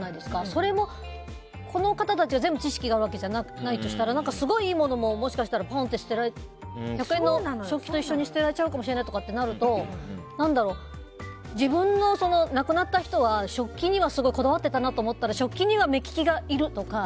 それも、この方たちが全部知識があるわけじゃないとしたらすごいいいものもポンと食器と一緒に捨てられるかもしれないと思うと亡くなった人は、食器にはすごいこだわってたなと思ったら食器には目利きがいるとか。